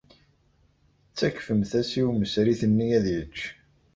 Ttakfemt-as i umesrit-nni ad yečč.